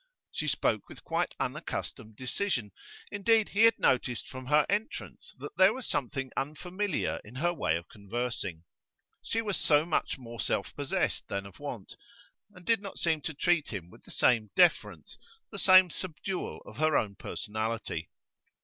She spoke with quite unaccustomed decision; indeed, he had noticed from her entrance that there was something unfamiliar in her way of conversing. She was so much more self possessed than of wont, and did not seem to treat him with the same deference, the same subdual of her own personality.